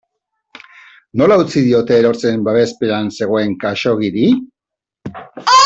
Nola utzi diote erortzen babespean zegoen Khaxoggiri?